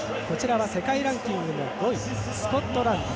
世界ランキング５位スコットランド。